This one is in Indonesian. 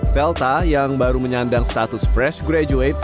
selta yang baru menyandang status fresh graduate